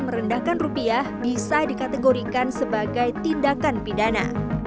merendahkan rupiah bisa dikategorikan sebagai tindakan pidana